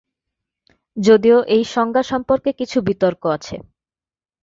যদিও এই সংজ্ঞা সম্পর্কে কিছু বিতর্ক আছে।